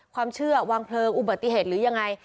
ความเชื่อวางเพลิงอุบัติเหตุหรือยังไง